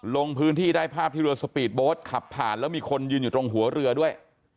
ลงพื้นที่ได้ภาพที่เรือสปีดโบสต์ขับผ่านแล้วมีคนยืนอยู่ตรงหัวเรือด้วย